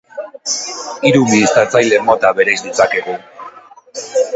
Hiru mihiztatzaile mota bereiz ditzakegu.